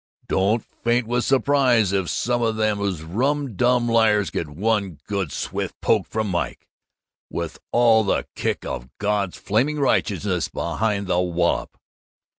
don't faint with surprise if some of those rum dumm liars get one good swift poke from Mike, with all the kick of God's Flaming Righteousness behind the wallop!